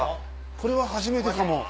これは初めてかも。